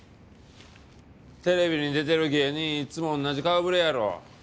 テレビに出てる芸人いっつも同じ顔ぶれやろ？